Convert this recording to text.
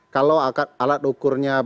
kalau alat ukurnya